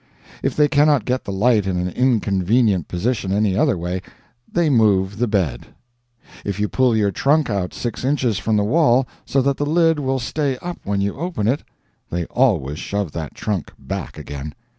If they cannot get the light in an inconvenient position any other way, they move the bed. If you pull your trunk out six inches from the wall, so that the lid will stay up when you open it, they always shove that trunk back again.